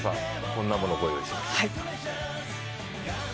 こんなものを御用意しました。